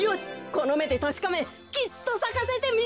このめでたしかめきっとさかせてみせる！